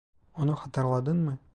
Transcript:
Onu hatırladın mı?